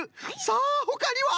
さあほかには？